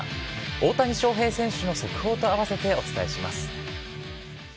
大谷翔平選手の速報と合わせてお伝えします。